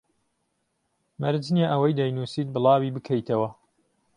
مەرج نییە ئەوەی دەینووسیت بڵاوی بکەیتەوە